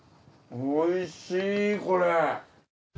おいしいこれ！